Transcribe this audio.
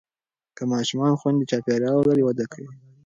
که ماشومان خوندي چاپېریال ولري، وده کوي.